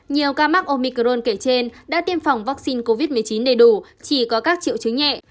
nhiều ca mắc omicron kể trên đã tiêm phòng vaccine covid một mươi chín đầy đủ chỉ có các triệu chứng nhẹ